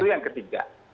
itu yang ketiga